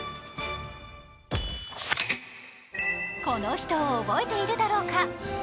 この人を覚えているだろうか。